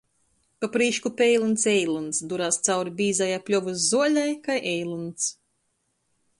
Pa prīšku peilyns Eilyns durās cauri bīzajai pļovys zuolei kai eilyns.